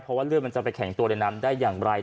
เพราะว่าเลือดมันจะไปแข็งตัวในน้ำได้อย่างไร